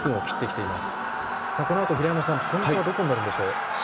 このあとポイントはどこになるんでしょう？